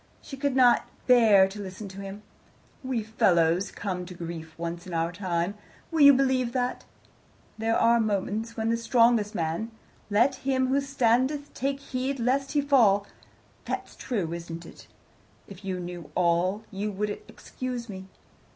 She could not bear to listen to him. "We fellows all come to grief once in our time. Will you believe that? There are moments when the strongest man 'Let him who standeth, take heed lest he fall.' That's true, isn't it? If you knew all, you would excuse me.